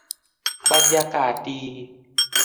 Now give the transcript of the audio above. บรรยากาศดี